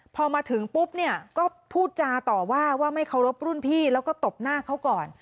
พอมาถึงปุ๊บเนี่ยก็พูดจาต่อว่าว่าไม่เคารพรุ่นพี่แล้วก็ตบหน้าเขาก่อน